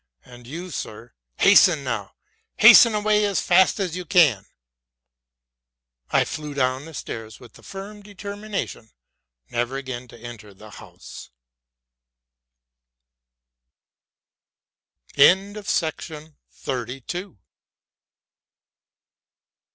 And you, sir, hasten now, hasten away as fast as you can!"' I flew down the stairs, with the firm determination never again to enter the house.